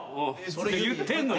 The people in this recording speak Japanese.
それ言ってんの。